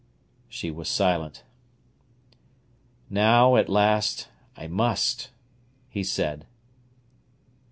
She was silent. "Now, at last, I must," he said.